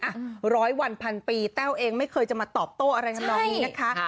อ่ะร้อยวันพันปีแต้วเองไม่เคยจะมาตอบโต้อะไรทำนองนี้นะคะ